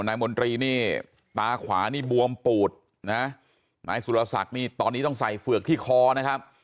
มนตรีนี่ตาขวานี่บวมปูดนะนายสุรศักดิ์นี่ตอนนี้ต้องใส่เฝือกที่คอนะครับ